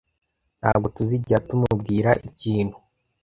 ntabwo tuzigera tumubwira ikintu